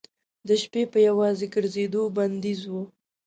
د شپې په یوازې ګرځېدو بندیز و.